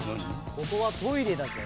ここはトイレだぞ。